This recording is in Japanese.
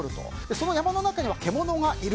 その山の中には獣がいる。